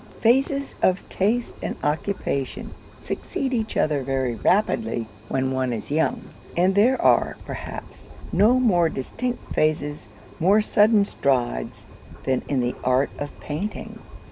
Phases of taste and occupation succeed each other very rapidly when one is young; and there are, perhaps, no more distinct phases, more sudden strides, than in the art of painting.